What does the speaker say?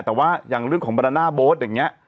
แต่ว่าอย่างเรื่องของบรรณาโบสต์อย่างนี้